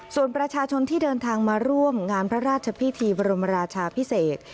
ส่วนประชาชนที่เดินทางมาร่วมงานพระราชพิธีบรมราชาพิเศษ